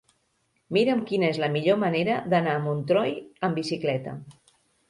Mira'm quina és la millor manera d'anar a Montroi amb bicicleta.